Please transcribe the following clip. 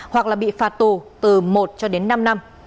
hoặc là bị phạt tù từ một cho đến năm năm